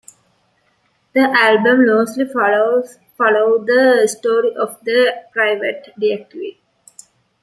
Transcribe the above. The album loosely follows the story of a private detective.